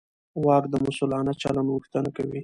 واک د مسوولانه چلند غوښتنه کوي.